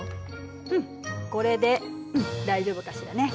うんこれで大丈夫かしらね。